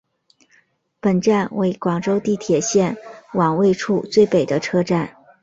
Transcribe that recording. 本站为广州地铁线网位处最北的车站。